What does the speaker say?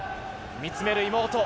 見つめる妹。